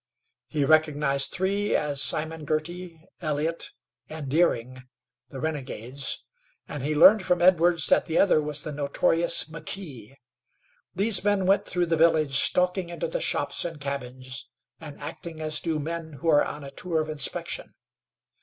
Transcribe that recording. He recognized three as Simon Girty, Elliott and Deering, the renegades, and he learned from Edwards that the other was the notorious McKee. These men went through the village, stalking into the shops and cabins, and acting as do men who are on a tour of inspection.